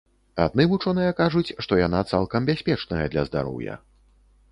Адны вучоныя кажуць, што яна цалкам бяспечная для здароўя.